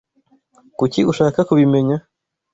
Kuki ushaka kubimenya?